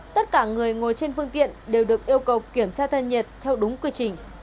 tất cả người ngồi trên phương tiện đều được yêu cầu kiểm tra thân nhiệt theo đúng quy trình